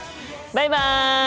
バイバイ！